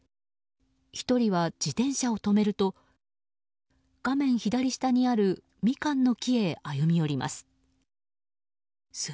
１人は自転車を止めると画面左下にあるミカンの木へ歩み寄ります。